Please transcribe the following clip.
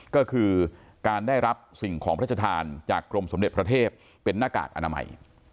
ก็คือการได้รับสิ่งของพระชธานจากกรมสมเด็จพระเทพเป็นหน้ากากอนามัย